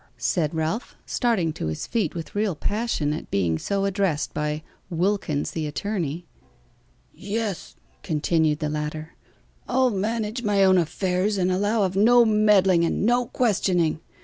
said Ralph, starting to his feet with real passion at being so addressed by "Wilkins the attorney." "Yes," continued the latter, "I'll manage my own affairs, and allow of no meddling and no questioning.